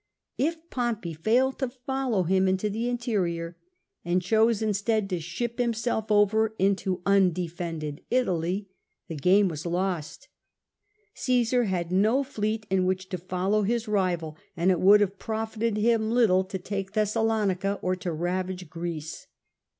If Pompey failed to follow him into the interior, and chose instead to ship himself over into undefended Italy, the game was lost. Osesar had no fleet in which to follow his rival, and it would have profited him little to take Thessalonica or to ravage Greece.